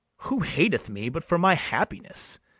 Who hateth me but for my happiness?